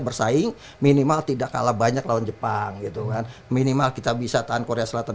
bersaing minimal tidak kalah banyak lawan jepang gitu kan minimal kita bisa tahan korea selatan